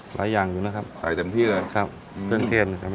หลายอย่างอยู่นะครับใส่เต็มที่เลยครับเครื่องเทศนะครับ